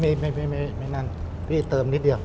โอเคพี่เติมนิดเดียว